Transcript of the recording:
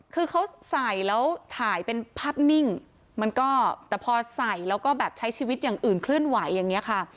คือเขาใส่แล้วถ่ายเป็นภาพนิ่งมันก็แต่พอใส่แล้วก็แบบใช้ชีวิตอย่างอื่นเคลื่อนไหวอย่างนี้ค่ะ